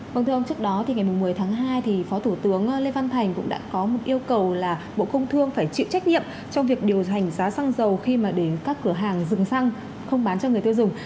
vâng thưa ông trước đó thì ngày một mươi tháng hai thì phó thủ tướng lê văn thành cũng đã có một yêu cầu là bộ công thương phải chịu trách nhiệm trong việc điều hành giá xăng dầu khi mà đến các cửa hàng dừng xăng không bán cho người tiêu dùng